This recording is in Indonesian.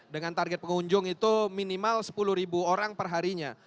dengan target pengunjung itu minimal sepuluh orang perharinya